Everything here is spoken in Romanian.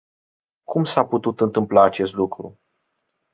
Cum s-a putut întâmpla acest lucru?